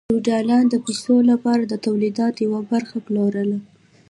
فیوډالانو د پیسو لپاره د تولیداتو یوه برخه پلورله.